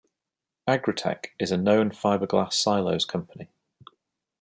Agritech is a known fiberglass silos company.